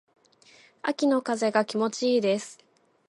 秋の風が気持ち良いです。